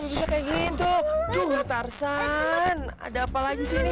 ya tarsan juga kayak gitu tuh tarsan ada apa lagi sini